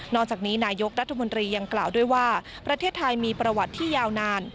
จากนี้นายกรัฐมนตรียังกล่าวด้วยว่าประเทศไทยมีประวัติที่ยาวนาน